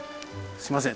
すいません。